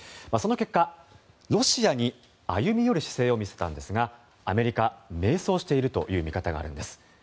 その結果、ロシアに歩み寄る姿勢を見せたんですがアメリカ、迷走しているという見方があるんです。